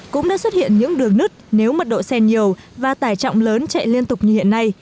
cũng đã xuất hiện những đường nứt nếu mật độ xe nhiều và tải trọng lớn chạy liên tục như hiện nay